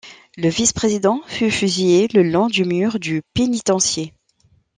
Le vice-président fut fusillé le long du mur du pénitencier.